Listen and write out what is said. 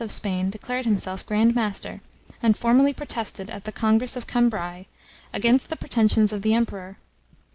of Spain declared himself Grand Master, and formally protested, at the congress of Cambrai (1721), against the pretensions of the emperor.